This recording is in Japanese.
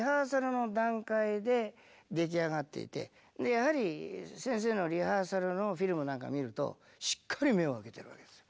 やはり先生のリハーサルのフィルムなんか見るとしっかり目を開けてるわけですよ。